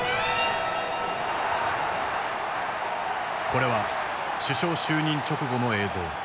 これは首相就任直後の映像。